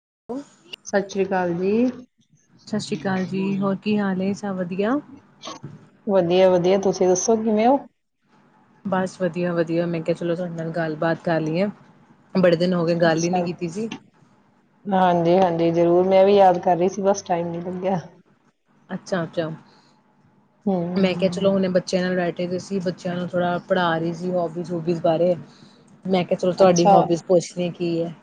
[unintelligible] ਸਤਿ ਸ੍ਰੀ ਅਕਾਲ ਜੀ। ਸਤਿ ਸ੍ਰੀ ਅਕਾਲ ਜੀ, ਹੋਰ ਕੀ ਹਾਲ ਏ? ਵਧੀਆ ਵਧੀਆ ਤੁਸੀਂ ਦੱਸੋ ਕਿਵੇਂ ਹੋ? ਬਸ ਵਧੀਆ ਵਧੀਆ। ਮੈਂ ਕਿਹਾ ਚਲੋ ਤੁਹਾਡੇ ਨਾਲ ਗੱਲਬਾਤ ਕਰ ਲੀਏ ਬੜੇ ਦਿਨ ਹੋ ਗਏ ਗੱਲ ਈ ਅੱਛਾ। ਨੀ ਕੀਤੀ ਸੀ। ਜੀ ਜ਼ਰੂਰ ਮੈਂ ਵੀ ਯਾਦ ਕਰ ਰਹੀ ਸੀ। ਬਸ, ਟਾਈਮ ਈ ਨੀ ਲੱਗਿਆ ਅੱਛਾ ਅੱਛਾ ਮੈਂ ਕਿਹਾ ਚਲੋ ਹਮ। ਹੁਣ ਬੱਚਿਆਂ ਨੂੰ ਲੈ ਕੇ ਏ ਸੀ ਬੱਚਿਆਂ ਨੂੰ ਥੋੜ੍ਹਾ ਪੜ੍ਹਾ ਰਹੀ ਸੀ। ਹੋਬੀਜ਼ -ਹੂਬੀਜ਼ ਬਾਰੇ ਮੈਂ ਕਿਹਾ ਚਲੋ ਤੁਹਾਡੀ ਅੱਛਾ ਹੋਬੀਜ਼ ਪੁੱਛ ਲੀ- ਕੀ ਹੈ?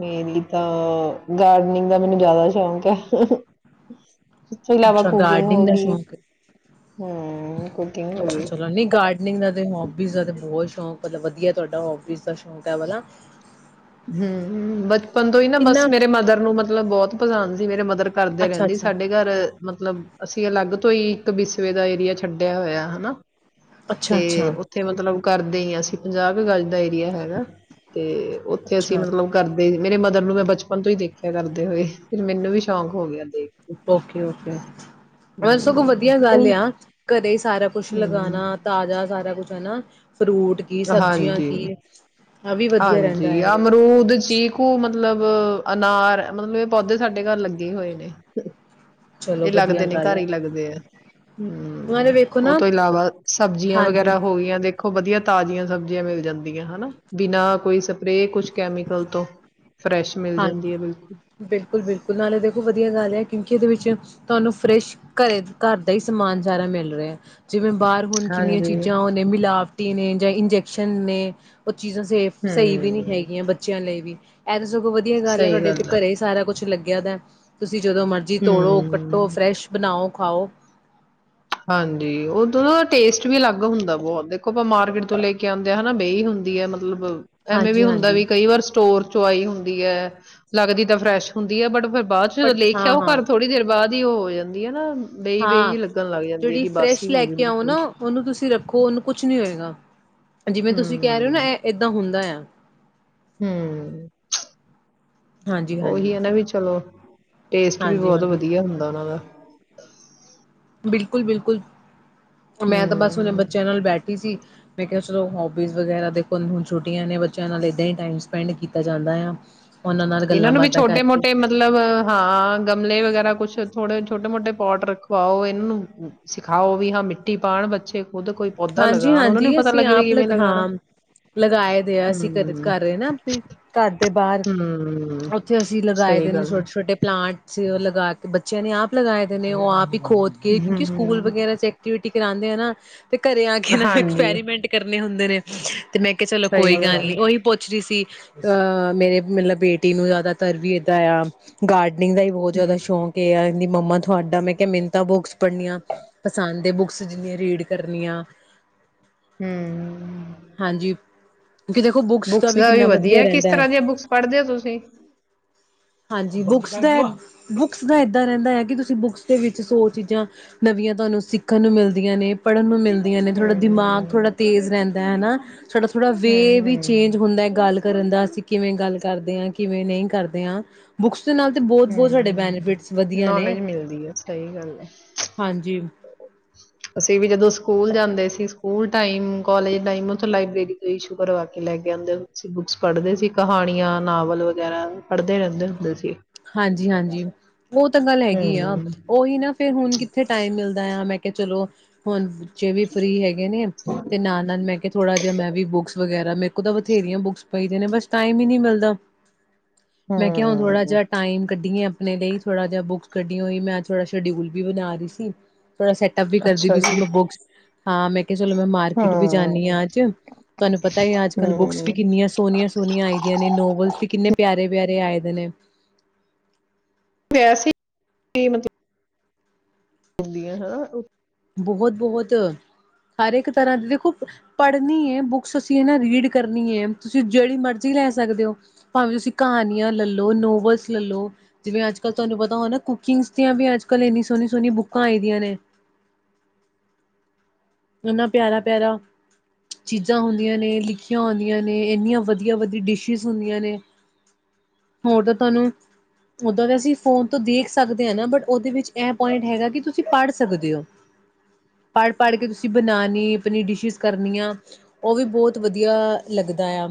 ਮੇਨਲੀ ਤਾਂ ਮੈਨੂੰ ਗਾਰਡਨਿੰਗ ਦਾ ਜਿਆਦਾ ਸ਼ੌਂਕ ਆ। ਅੱਛਾ ਗਾਰਡਨਿੰਗ ਦਾ ਸ਼ੌਕ ਐ। ਹਮ ਕੁਕਿੰਗ ਹੋ ਅੱਛਾ ਗਈ। ਚਲੋ ਨਹੀਂ ਗਾਰਡਨਿੰਗ ਦਾ ਹੋਬੀਜ਼ ਦਾ ਤਾਂ ਬਹੁਤ ਸ਼ੌਕ- ਮਤਲਬ ਵਧੀਆ ਤੁਹਾਡਾ ਹੋਬੀਜ਼ ਦਾ ਸ਼ੌਕ ਐ ਵਾਲਾ। ਹਮ ਹਮ ਬਚਪਨ ਤੋਂ ਹੀ ਨਾ ਕਿੰਨਾ ਬਸ ਮੇਰੇ ਮਦਰ ਨੂੰ ਮਤਲਬ ਬਹੁਤ- ਪਸੰਦ ਸੀ ਮੇਰੇ ਮਦਰ- ਕਰਦੇ ਅੱਛਾ ਰਹਿੰਦੀ ਅੱਛਾ ਸਾਡੇ ਘਰ, ਮਤਲਬ- ਅਸੀਂ ਅਲੱਗ ਤੋਂ ਈ ਇੱਕ ਬਿਸਵੇ ਦਾ ਏਰੀਆ ਛੱਡਿਆ ਹੋਇਆ ਹਨਾ। ਅੱਛਾ ਤੇ ਅੱਛਾ ਔਥੇ ਮਤਲਬ ਕਰਦੇ ਈ ਆਂ ਅਸੀਂ, ਪੰਜਾਹ ਕੂ ਗਜ ਦਾ ਏਰੀਆ ਹੈਗਾ ਤੇ- ਤੇ ਅਸੀਂ ਅੱਛਾ ਮਤਲਬ ਕਰਦੇ ਈ ਮੇਰੇ ਮਦ ਤੇਨੂੰ ਮੈਂ ਬਚਪਨ ਤੋਂ ਈ ਦੇਖਿਆ ਕਰਦੇ ਹੋਏ, ਫੇਰ ਮੈਨੂੰ ਵੀ ਸ਼ੌਂਕ ਹੋ ਗਿਆ ਦੇਖ ਕੇ ਔਕੇ-ਔਕੇ ਅ ਸਗੋਂ ਹਮ ਵਧੀਆ ਗੱਲ ਯਾਂ ਘਰੇ ਸਾਰਾ ਕੁਛ ਹਮ ਲਗਾਣਾ, ਤਾਜ਼ਾ ਸਾਰਾ ਕੁਛ। ਹਨਾ ਫਰੂਟ ਕੀ, ਸਬਜੀਆਂ ਹਾਂਜੀ ਕੀ, ਆ ਵੀ ਵਧੀਆ ਹਾਂਜੀ ਰੈੰਦਾ ਐ ਐਦੇ ਵਿੱਚ। ਅਮਰੂਦ ਚੀਕੂ ਮਤਲਬ ਅਨਾਰ ਮਤਲਬ ਏ ਪੌਦੇ ਸਾਡੇ ਘਰ ਲੱਗੇ ਹੋਏ ਨੇ। ਚਲੋ ਏ ਵਧੀਆ ਲੱਗਦੇ ਨੀ ਗੱਲ ਘਰ ਹੈ ਈ ਲੱਗਦੇ ਏ। ਨਾਲੇ ਹੰ, ਵੇਖੋ ਔ ਨਾ ਤੋਂ ਇਲਾਵਾ ਸਬਜੀਆਂ ਹਾਂਜੀ ਵਗੈਰਾ ਹੋ ਗਈਆਂ ਦੇ ਦੇਖੋ ਵਧੀਆ ਤਾਜੀਆਂ ਸਬਜੀਆਂ ਮਿਲ ਜਾਂਦੀਆਂ ਹਨਾ, ਬਿਨਾਂ ਕੋਈ ਸੱਪਰੇ, ਕੁੱਛ ਕੈਮੀਕਲ ਤੋਂ। ਫਰੈਸ਼ ਮਿਲ ਹਾਂਜੀ, ਜਾਂਦੀ ਹੈ ਬਿਲਕੁਲ ਬਿਲਕੁਲ-ਬਿਲਕੁਲ ਨਾਲੇ ਦੇਖੋ ਵਧੀਆ ਗੱਲ ਐ ਕਿਉਂਕਿ ਇਦੇ ਵਿੱਚ- ਤੁਆਨੂੰ ਫਰੈਸ਼ ਘਰੇ ਘਰ ਦਾ ਈ ਸਮਾਨ ਸਾਰਾ ਮਿਲ ਰਿਐ। ਜਿਵੇਂ ਬਾਰ ਹੁਨ ਕਿੰਨੀਆਂ ਹਾਂਜੀ ਚੀਜਾਂ ਔ ਨੇ ਮਿਲਾਵਟੀ ਨੇ- ਜਾਂ ਇੰਜੈਕਸ਼ਨ ਨੇ ਉ ਚੀਜ਼ਾਂ ਸੇਫ਼-ਸਈ ਵੀ ਨੀਂ ਹਮ ਹੈਗੀਆਂ ਬੱਚਿਆਂ ਲਈ ਵੀ। ਇਜ਼ [unintelligible] ਸਗੋਂ ਵਧੀਆ ਗੱਲ ਐ ਸਹੀ ਤੁਹਾਡੇ ਇੱਥੇ ਆ ਘਰੇ ਈ ਸਾਰਾ ਕੁਛ ਲੱਗ- [unintelligible] ਦਾ ਤੁਸੀਂ ਤੁਸੀਂ ਜਦੋਂ ਮਰਜ਼ੀ ਤੋੜੋ, ਕੱਟੋ, ਹਮ ਫਰੈਸ਼ ਬਨਾਓ। ਖਾਓ। ਹਾਂਜੀ, ਉਦੋਂ ਨਾ ਟੇਸਟ ਵੀ ਅਲੱਗ ਹੁੰਦਾ ਬਹੁਤ ਦੇਖੋ ਆਪਾਂ ਮਾਰਕੀਟ ਤੋਂ ਲੈ ਕੇ ਆਂਦੇ ਆ ਹਨਾ ਬੇਈ ਹੁੰਦੀ ਆ ਮਤਲਬ- ਐਵੇਂ ਵੀ ਹੁੰਦਾ ਹਾਂਜੀ-ਹਾਂਜੀ ਵੀ ਕਈ ਵਾਰ ਸਟੋਰ ਚੋ ਆਈ ਹੁੰਦੀ ਐ। ਲੱਗਦੀ ਤਾਂ ਫਰੈਸ਼ ਹੁੰਦੀ ਹੈ ਬਟ ਫਿਰ ਬਾਅਦ ਚ ਜਦੋਂ ਬਟ ਲੇ ਕੇ ਆਉ ਹਾਂ-ਹਾਂ, ਹਾਂ ਘਰ ਥੋੜੀ ਦੇਰ ਬਾਅਦ- ਵੀ ਉਹ ਹੋ ਜਾਂਦੀ ਐ ਨਾ ਬੇਈ ਵੇਈ ਹਾਂ ਜੀ ਲੱਗਣ ਲੱਗ ਜਾਂਦ ਜਿਹੜੀ ਫਰੈਸ਼ ਲੈ ਕੇ ਆਓ ਨਾ ਔਨੂੰ ਤੁਸੀਂ ਰੱਖੋ ਔਨੂੰ ਕੁਛ ਨੀ ਹੋਏਗਾ। ਜਿਵੇਂ ਤੁਸੀਂ ਕਹਿ ਰਹੇ ਹੋ ਨਾ ਐਂ ਏਦਾਂ ਹੁੰਦਾ ਯਾ ਹੰ ਉਹੀ ਹਾਂਜੀ-ਹਾਂਜੀ ਐ ਨਾ ਵੀ ਚਲੋ ਟੇਸਟ ਵੀ ਹਾਂਜੀ ਬਹੁਤ ਹਾਂਜੀ ਵਧੀਆ ਹੁੰਦਾ ਔਨਾਂ ਦਾ ਬਿਲਕੁਲ- ਬਿਲਕੁਲ। ਮੈਂ ਤਾਂ ਬਸ ਉਹਨਾ ਹੂੰ। ਬੱਚਿਆਂ ਨਾਲ ਬੈਠੀ ਸੀ। ਮੈਂ ਕਿਹਾ ਚੱਲੋ ਹੋਬੀਜ਼ ਵਗੈਰਾ ਦੇਖ [unintelligible] ਛੁੱਟੀਆਂ ਨੇ ਬੱਚਿਆਂ ਨਾਲ ਏਦਾਂ ਹੀ ਟਾਈਮ ਸਪੈਂਡ ਕੀਤਾ ਜਾਂਦਾ ਆ। ਉਹਨਾਂ ਨਾਲ ਇਹਨਾਂ ਗੱਲਾਂ ਨੂੰ ਵੀ ਬਾਤਾਂ ਛੋਟੇ ਕਰਕੇ ਮੋਟੇ ਮਤਲਬ ਹਾਂ ਗਮਲੇ ਵਗੈਰਾ ਕੁੱਛ, ਥੋੜੇ ਛੋਟੇ ਮੋਟੇ ਪੌਟ ਰਖਵਾਓ ਇਹਨਾਂ ਨੂੰ ਸਿਖਾਓ ਵੀ ਹਾਂ ਮਿੱਟੀ ਪਾਉਣ ਬੱਚੇ। ਖੁਦ ਕੋਈ ਪੌਦਾ ਹਾਂਜੀ ਲਗਾਣ ਉਹਨਾਂ ਨੂੰ ਵੀ ਹਾਂਜੀ ਪਤਾ ਅਸੀਂ ਲੱਗੇ ਵੀ ਆਪ ਕਿਵੇਂ ਲਗ ਲਗਾਣਾ ਹਾਂ, ਲਗਾਏ ਦੇ ਆ ਅਸੀਂ ਘਰ ਹੂੰ, ਕਰ ਰਹੇ ਨਾ ਆਪਣੇ ਘਰ ਦੇ ਬਾਹਰ। ਹੂੰ ਉੱਥੇ ਅਸੀਂ ਲਗਾਏ ਸਹੀ ਦੇ ਨੇ ਗੱਲ ਐ। ਛੋਟੇ ਛੋਟੇ ਪਲਾਂਟ। ਬੱਚੇ ਉਹ ਲਗਾ ਕੇ ਬੱਚਿਆਂ ਨੇ ਆਪ ਲਗਾਏ ਦੇ ਨੇ ਉਹ ਆਪ ਹੀ, ਖੋਦ ਕੇ ਕਿਸ ਸਕੂਲ ਹੂੰ, ਵਗੈਰਾ ਚ ਐਕਟੀਵਿਟੀ-ਥ ਕਰਾਂਉਂਦੇ ਆ ਨਾ, ਤੇ ਘਰੇ ਆ ਕੇ ਇਹਨਾਂ ਨੂੰ ਹਾਂਜੀ ਐਕਸਪੈਰੀਮੈਂਟ ਕਰਨੇ ਹੁੰਦੇ ਨੇ, [unintelligible] ਤੇ ਮੈਂ ਕਿਹਾ ਚਲੋ ਕੋਈ ਸਹੀ ਗੱਲ ਐ ਨੀ ਉਹੀ ਪੁੱਛ ਰਹੀ ਸੀ। ਅਹ ਮੇਰੇ ਮਤਲਬ ਬੇਟੀ ਨੂੰ ਜ਼ਿਆਦਾਤਰ ਵੀ ਏਦਾਂ ਆ ਗਾਰਡ, ਿਨਦ ਦਾ ਹੀ ਬਹੁਤ ਜ਼ਿਆਦਾ ਹੂੰ, ਸ਼ੌਕ ਆ। ਨੀ ਮੰਮਾ ਤੁਹਾਡਾ ਮੈਂ ਕਿਹਾ ਮਿੰਨ ਤਾਂ ਬੁੱਕਸ, ਪੜ੍ਹਨੀਆਂ ਪਸੰਦ ਹੈ ਬੁੱਕ, ਆਕਸੀਜਨ ਦੀ ਰੇੜ, ਕਰਨੀਆਂ, ਹੂੰ। ਹਾਂਜੀ। ਕਿਉਂਕਿ ਦੇਖੋ ਬੁੱਕਸ ਦਾ ਵੀ ਕਿੰਨਾ ਵਧੀਆ ਕਿਸ ਰਹਿੰਦਾ ਹੈ ਤਰ੍ਹਾਂ ਦੀਆਂ ਬੁੱਕਸ ਪੜ੍ਹਦੇ ਹੋ ਤੁਸੀਂ? ਹਾਂਜੀ ਬੁੱਕਸ ਦਾ ਬੁੱਕਸ ਦਾ ਇੱਦਾਂ ਰਹਿੰਦਾ ਹੈ ਕਿ ਤੁਸੀਂ ਬੁੱਕਸ ਦੇ ਵਿੱਚ ਸੌ ਚੀਜ਼ਾਂ ਨਵੀਆਂ ਤੁਹਾਨੂੰ ਸਿੱਖਣ ਨੂੰ ਮਿਲਦੀਆਂ ਨੇ ਪੜ੍ਹਨ ਨੂੰ ਮਿਲ ਨੇ ੋੜਾ [unintelligible] ਦਿਮਾਗ ਹੂੰ, ਥੋੜਾ ਤੇਜ਼ ਰਹਿੰਦਾ ਹੈ ਨਾ, ਸਾਡਾ ਥੋੜ੍ਹਾ ਵੇ ਹੂੰ, ਵੀ ਚੇਂਜ ਹੂੰ, ਹੁੰਦਾ ਹੈ ਗੱਲ ਕਰਨ ਦਾ ਅਸੀਂ ਕਿਵੇਂ ਗੱਲ ਕਰਦੇ ਹਾਂ ਕਿਵੇਂ ਨਹੀਂ ਕਰਦੇ ਹਾਂ। ਬੁਕਸ ਦੇ ਨਾਲ ਬਹੁਤ ਬਹੁਤ ਸਾਡੇ ਹੂੰ। ਬੈਨੀਫਿਟ ਨੌਲੇਜ ਮਿਲਦੀ ਹੈ, ਸਹੀ ਗੱਲ ਹੈ। ਹਾਂਜੀ ਅਸੀਂ ਵੀ ਜਦੋਂ ਸਕੂਲ ਜਾਂਦੇ ਸੀ ਸਕੂਲ ਟਾਈਮ ਕਾਲਜ ਟਾਈਮ ਉੱਥੋਂ ਲਾਇਬ੍ਰੇਰੀ ਤੋਂ ਇਸ਼ੂ ਕਰਵਾ ਕੇ ਲੈ ਕੇ ਆਉਦੇ ਸੀ ਬੁੱਕਸ ਪੜ੍ਹਦੇ ਸੀ ਕਹਾਣੀਆਂ ਨਾਵਲ ਵਗੈਰਾ ਪੜ੍ਹਦੇ ਰਹਿੰਦੇ ਹੁੰਦੇ ਸੀ। ਹਾਂਜੀ-ਹਾਂਜੀ, ਉਹ ਤਾਂ ਗੱਲ ਹੈਗੀ ਆ, ਹੂੰ ਉਹੀ ਨਾ ਫਿਰ ਹੁਣ ਕਿੱਥੇ ਟਾਈਮ ਮਿਲਦਾ। [unintelligible] ਮੈਂ ਕਿਹਾ ਚਲੋ ਹੁਣ, ਬੱਚੇ ਵੀ ਫ੍ਰਰੀ ਹੈਗੇ ਨੇ, ਤੇ ਨਾਲ ਨਾਲ ਮੈਂ ਕੇ ਥੋੜਾ ਜਿਹਾ ਮੈਂ ਵੀ ਬੁੱਕਸ ਵਗੈਰਾ, [unintelligible] ਮੇਰੇ ਕੋ ਤਾਂ ਬਥੇਰੀਆਂ ਬੁੱਕਸ ਪਈ ਦੀਆਂ ਨੇ ਬਸ ਟਾਈਮ ਹੀ ਨਹੀਂ ਮਿਲਦਾ। ਹੂ ਹੂ ਹੂ ਟਾਇਮ ਕੱਢੀ ਆਪਣੇ ਲਈ ਥੋੜਾ ਜਿਹਾ ਬੁੱਕਸ ਕੱਢੀ ਹੋਈ ਮੈਂ ਥੋੜਾ ਸ਼ਡਿਊਲ ਵੀ ਬਣਾ ਰਹੀ ਸੀ। ਥੋੜਾ ਸੈਟਅਪ ਵੀ ਕਰਦੀ ਅੱਛਾ ਪਈ ਸੀ ਜੀ ਮੈਂ ਬੁਕਸ। ਹਾਂ ਮੈਂ। ਚਲੋ ਮੈਂ ਮਾਰਕੀਟ ਵੀ ਜਾਂਦੀ ਹੂੰ ਆ ਅੱਜ ਤੁਹਾਨੂੰ ਪਤਾ ਹੀ ਅੱਜ ਕੱਲ ਬੁੱਕਸ ਹੂੰ ਵੀ ਕਿੰਨੀਆਂ ਸੋਹਣੀਆਂ ਸੋਹਣੀਆਂ ਆਈ ਦੀਆਂ ਨੇ ਨੋਵਲਸ ਵੀ ਕਿੰਨੇ ਪਿਆਰੇ ਪਿਆਰੇ ਆਏ। ਅ [unintelligible] ਵੈਸੇ ਏ ਮਤਲਬ। ਹੁੰਦੀਆਂ ਹਨਾ। ਬਹੁਤ ਬਹੁਤ ਹਰ ਇੱਕ ਤਰ੍ਹਾਂ ਦੀ ਦੇਖੋ ਪੜ੍ਹਨੀ ਹੈ ਬੁੱਕਸ ਅਸੀਂ ਨਾ ਰੀਡ ਕਰਨੀ ਹੈ ਤੁਸੀਂ ਜਿਹੜੀ ਮਰਜ਼ੀ ਲੈ ਸਕਦੇ ਹੋ ਭਾਵੇਂ ਤੁਸੀਂ ਕਹਾਣੀਆਂ ਲੈ ਲਓ ਨੋਵਲਸ ਲੈ ਲਓ ਜਿਵੇਂ ਅੱਜ ਕੱਲ੍ਹ ਤੁਹਾਨੂੰ ਪਤਾ ਹੋ ਨਾ ਕੁਕਿੰਗਸ ਦੀਆਂ ਵੀ ਅੱਜ ਕੱਲ੍ਹ ਇੰਨੀ ਸੋਹਣੀ ਸੋਹਣੀ ਬੁੱਕਾਂ ਆਈ ਦੀਆਂ ਨੇ। ਇਨਾ ਪਿਆਰਾ ਪਿਆਰਾ ਚੀਜ਼ਾਂ ਹੁੰਦੀਆਂ ਨੇ ਲਿਖੀਆਂ ਹੁੰਦੀਆਂ ਨੇ ਇੰਨੀਆਂ ਵਧੀਆ ਵਧੀ ਡਿਸ਼ਿਸ ਹੁੰਦੀਆਂ ਨੇ ਹੋਰ ਤਾਂ ਤੁਹਾਨੂੰ ਉਓਦਾਂ ਦਾ ਅਸੀਂ ਫੋਨ ਤੋਂ ਦੇਖ ਸਕਦੇ ਹਾਂ ਨਾ ਬਟ ਉਹਦੇ ਵਿੱਚ ਇਹ ਪੁਆਇੰਟ ਹੈਗਾ ਕਿ ਤੁਸੀਂ ਪੜ੍ਹ ਸਕਦੇ ਹੋ ਪੜ੍ਹ ਪੜ੍ਹ ਕੇ ਤੁਸੀਂ। ਬਣਾਉਣੀ ਆਪਣੀ ਡਿਸ਼ਿਿਸ ਕਰਨੀਆਂ ਉਹ ਵੀ ਬਹੁਤ ਵਧੀਆ ਲੱਗਦਾ ਆ